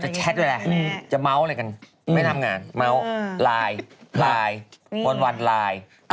จะแชตไว้แหละจะเมาส์อะไรกันไม่ได้ทำงานเมาส์ไลน์โวนไลน์